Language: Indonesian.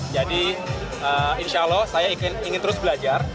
jadi insya allah saya ingin terus belajar